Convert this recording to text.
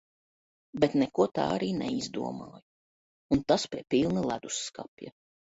Bet neko tā arī neizdomāju, un tas pie pilna ledusskapja.